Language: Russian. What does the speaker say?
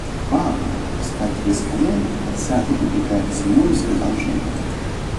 – Папа! – вскакивая с колен отца и подбегая к Тимуру, сказала Женя.